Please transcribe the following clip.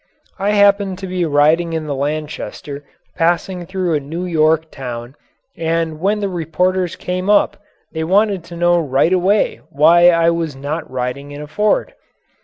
I happened to be riding in the Lanchester passing through a New York town and when the reporters came up they wanted to know right away why I was not riding in a Ford.